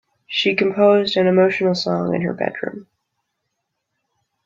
She composed an emotional song in her bedroom.